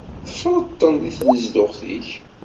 Teffreḍ-ten di tnezduɣt-ik.